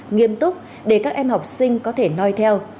nghiêm túc để các em học sinh có thể nói theo